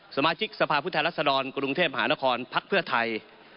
สมาชิกสภาพุทธแหลศนรกรุงเทพฯหานครพักเพื่อไทย